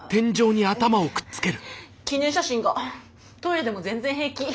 記念写真がトイレでも全然平気。